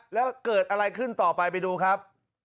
แล้วเกิดอะไรขึ้นต่อไปไปดูครับ